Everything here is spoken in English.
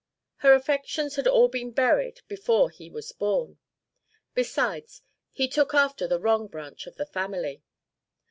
Her affections had all been buried before he was born. Besides, he took after the wrong branch of the family.